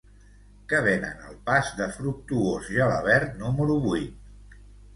Què venen al pas de Fructuós Gelabert número vuit?